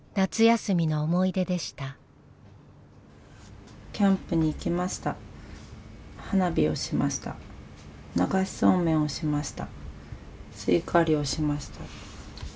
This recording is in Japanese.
すいかわりをしました」。